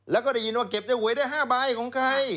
แล้วก็ได้ยินว่าเก็บได้หวยได้๕ใบของใคร